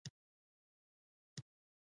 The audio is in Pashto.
احمد هڅه وکړه چې د امریکا له جغه غاړه وغړوي.